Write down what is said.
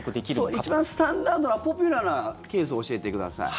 そう、一番スタンダードなポピュラーなケースを教えてください。